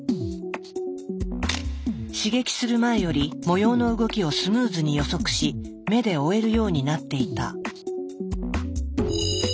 刺激する前より模様の動きをスムーズに予測し目で追えるようになっていた。